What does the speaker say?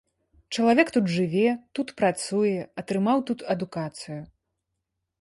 Чалавек тут жыве, тут працуе, атрымаў тут адукацыю.